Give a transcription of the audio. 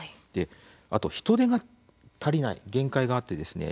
あと人手が足りない限界があってですね